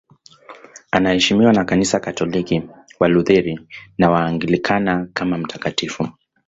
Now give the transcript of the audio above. Anaheshimiwa na Kanisa Katoliki, Walutheri na Waanglikana kama mtakatifu.